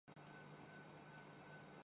بات البتہ کچھ اور ہے۔